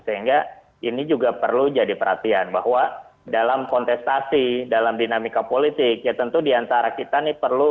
sehingga ini juga perlu jadi perhatian bahwa dalam kontestasi dalam dinamika politik ya tentu diantara kita nih perlu